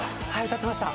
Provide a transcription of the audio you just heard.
歌ってました。